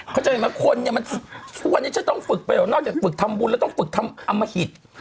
เข้าใจไหมคนนี้ต้องฝึกไปนอกจากฝึกทำบุญแล้วต้องฝึกทำอามหิต